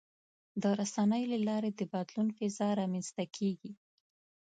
د رسنیو له لارې د بدلون فضا رامنځته کېږي.